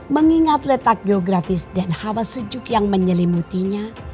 mengingat letak geografis dan hawa sejuk yang menyelimutinya